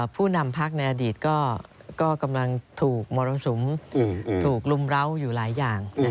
ผู้นำพักในอดีตก็กำลังถูกมรสุมถูกรุมร้าวอยู่หลายอย่าง